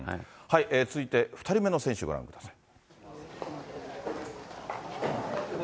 続いて２人目の選手、ご覧ください。